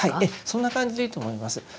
そんな感じでいいと思います。